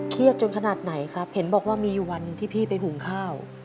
จนขนาดไหนครับเห็นบอกว่ามีอยู่วันหนึ่งที่พี่ไปหุงข้าว